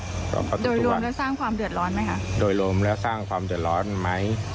รวมครับโดยรวมแล้วสร้างความเดือดร้อนไหมคะโดยรวมแล้วสร้างความเดือดร้อนไหม